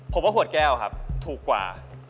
ผมว่าขวดแก้วครับถูกกว่า